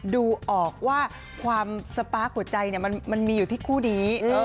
ดูออกว่าความสป๊ะขาวใจมันมีอยู่ที่คู่ดี